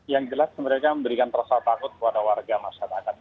yang jelas mereka memberikan rasa takut kepada warga masyarakat